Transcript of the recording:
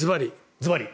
ずばり。